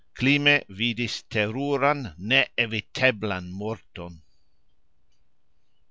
Klime vidis teruran, neeviteblan morton...